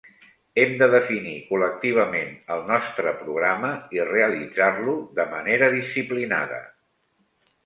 Hem de definir col·lectivament el nostre programa i realitzar-lo de manera disciplinada.